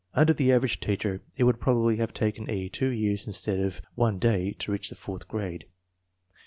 Under the average teacher it would probably have taken E. two years instead of one day to reach the fourth grade.